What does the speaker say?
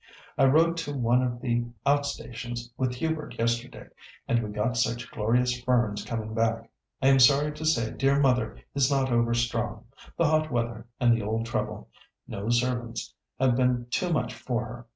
"I rode to one of the out stations with Hubert yesterday, and we got such glorious ferns coming back. I am sorry to say dear mother is not over strong. The hot weather, and the old trouble, 'no servants,' have been too much for her.